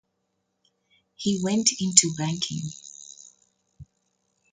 He went into banking.